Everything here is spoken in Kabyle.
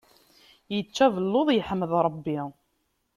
Ičča abelluḍ, yeḥmed Ṛebbi.